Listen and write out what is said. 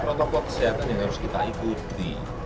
protokol kesehatan yang harus kita ikuti